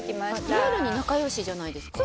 リアルに仲良しじゃないですか？